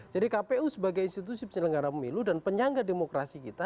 jadi kpu sebagai institusi penyelenggaraan pemilu dan penyangga demokrasi gitu